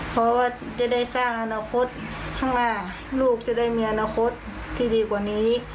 เพราะว่าจะได้สร้างอนาคตข้างหน้าลูกจะได้มีอนาคตที่ดีกว่านี้